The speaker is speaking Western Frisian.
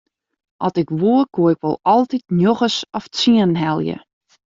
At ik woe koe ik wol altyd njoggens of tsienen helje.